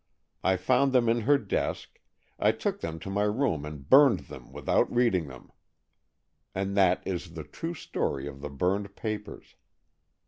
I found them in her desk, I took them to my room and burned them without reading them. And that is the true story of the burned papers.